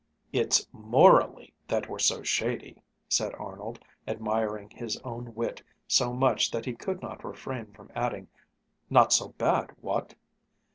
"It's morally that we're so shady!" said Arnold, admiring his own wit so much that he could not refrain from adding, "Not so bad, what?"